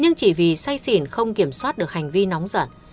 nhưng chỉ vì say xỉn không kiểm soát được hành vi nóng giận